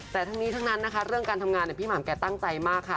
แต่ทั้งนี้ทั้งนั้นนะคะเรื่องการทำงานพี่หม่ำแกตั้งใจมากค่ะ